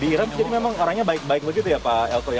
di iran jadi memang orangnya baik baik begitu ya pak elko ya